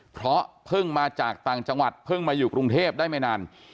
เพราะเพิ่งมาจากต่างจังหวัดเพิ่งมาอยู่กรุงเทพได้ไม่นาน